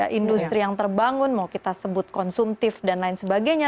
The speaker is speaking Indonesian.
ada industri yang terbangun mau kita sebut konsumtif dan lain sebagainya